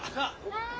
はい。